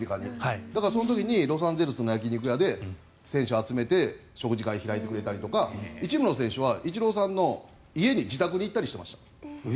だから、その時にロサンゼルスの焼き肉屋で選手を集めて食事会を開いてくれたりとか一部の選手はイチローさんの家に行ったりしてました。